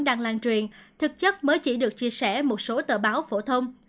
đang lan truyền thực chất mới chỉ được chia sẻ một số tờ báo phổ thông